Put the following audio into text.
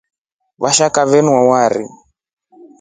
Washaka wenywa wari.